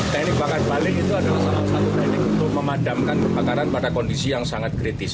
teknik bakat balik itu adalah salah satu teknik untuk memadamkan kebakaran pada kondisi yang sangat kritis